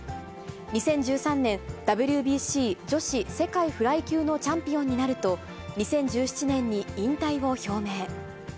２０１３年、ＷＢＣ女子世界フライ級のチャンピオンになると、２０１７年に引退を表明。